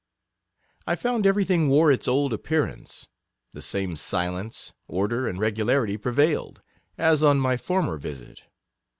I found every thing wore its old appear ance. The same silence, order, and regula rity prevailed, as on my former visit.